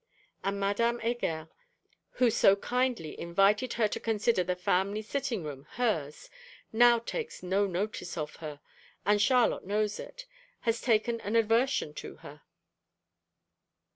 And Madame Heger, who so kindly invited her to consider the family sitting room hers, now takes no notice of her, and, Charlotte knows it, has taken an aversion to her.